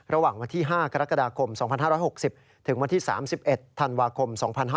ระหว่างวันที่๕กรกฎาคม๒๕๖๐ถึงวันที่๓๑ธันวาคม๒๕๕๙